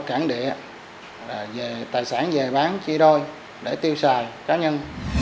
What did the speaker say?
tôi đi sau cản địa tài sản về bán chia đôi để tiêu xài cá nhân